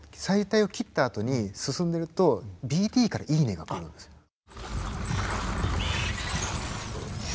臍帯を切ったあとに進んでるとＢＴから「いいね」が来るんですよ。